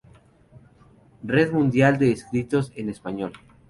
Red Mundial de Escritores en Español